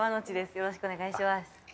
よろしくお願いします。